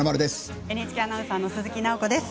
ＮＨＫアナウンサーの鈴木奈穂子です。